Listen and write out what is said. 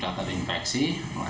terus kita bisa menjaga kemampuan